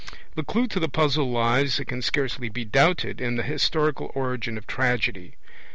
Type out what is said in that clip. The clue to the puzzle lies, it can scarcely be doubted, in the historical origin of tragedy.